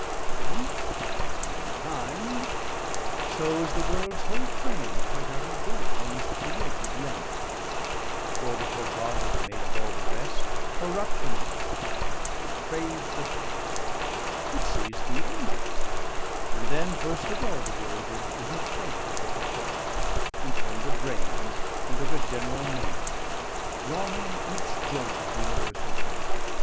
190 Then, as mankinde, so is the worlds whole frame Quite out of joynt, almost created lame: For, before God had made up all the rest, Corruption entred, and deprav'd the best: It seis'd the Angels, and then first of all 195 The world did in her cradle take a fall, And turn'd her braines, and tooke a generall maime, Wronging each joynt of th'universall frame.